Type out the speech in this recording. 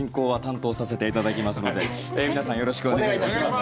よろしくお願いします。